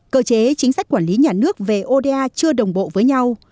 cơ chế chính sách quản lý nhà nước về oda chưa đồng bộ với nhau